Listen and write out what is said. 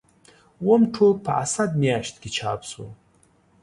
اووم ټوک په اسد میاشت کې چاپ شو.